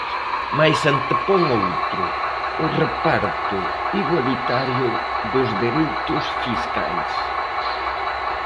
Mais antepón outro: o reparto igualitario dos dereitos fiscais.